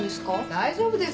大丈夫ですか？